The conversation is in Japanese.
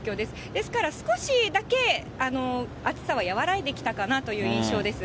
ですから、少しだけ暑さは和らいできたかなという印象です。